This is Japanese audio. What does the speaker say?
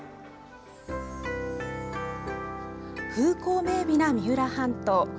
風光明美な三浦半島。